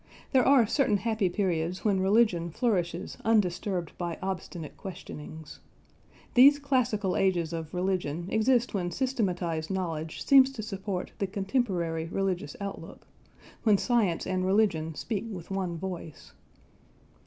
There are certain happy periods when religion flourishes undisturbed by obstinate questionings. These classical ages of religion exist when systematised knowledge seems to support the contemporary religious outlook when science and religion speak with one voice.